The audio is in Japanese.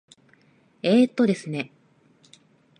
えーとですね。